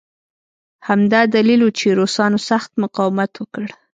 همدا دلیل و چې روسانو سخت مقاومت وکړ